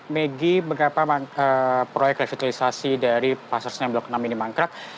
megi mengapa proyek revitalisasi dari pasar senen blok enam ini mangkrak